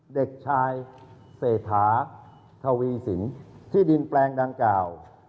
เด็กชายเศรษฐาทวีสินที่ดินแปลงดังกล่าว